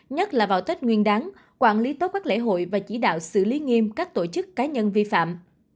nhất là vào tết nguyên đáng quản lý tốt các lễ hội và chỉ đạo xử lý nghiêm các tổ chức cá nhân vi phạm